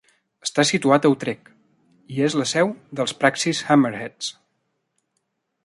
Està situat a Utrecht i és la seu dels Praxis Hammerheads.